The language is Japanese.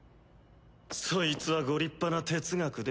そいつはご立派な哲学で。